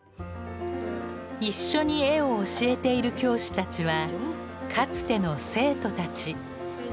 一緒に絵を教えている教師たちはかつての生徒たち。